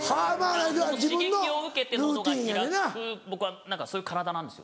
その刺激を受けて喉が開く僕はそういう体なんですよね。